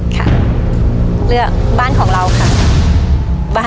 ค่ะเลือกบ้านของเราค่ะ